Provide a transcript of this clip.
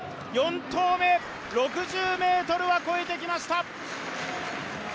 ４投目、６０ｍは越えてきました。